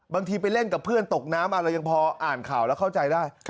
ไปเล่นกับเพื่อนตกน้ำเรายังพออ่านข่าวแล้วเข้าใจได้